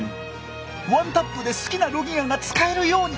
ワンタップで好きなロギアが使えるように。